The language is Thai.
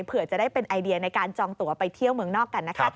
เผื่อจะได้เป็นไอเดียในการจองตัวไปเที่ยวเมืองนอกกันนะคะ